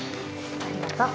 ありがとう。